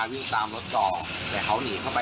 ๙วันแล้ว๒๐ครับ